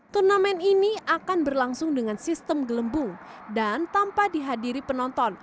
turnamen ini akan berlangsung dengan sistem gelembung dan tanpa dihadiri penonton